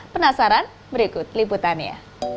penasaran berikut liputannya